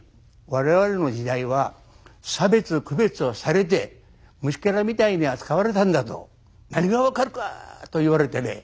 我々の時代は差別区別をされて虫けらみたいに扱われたんだと何が分かるか！と言われてね